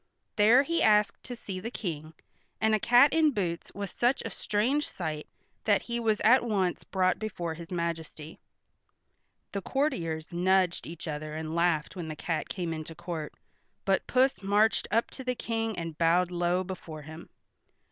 There he asked to see the King, and a cat in boots was such a strange sight that he was at once brought before his majesty. The courtiers nudged each other and laughed when the cat came into court, but Puss marched up to the King and bowed low before him.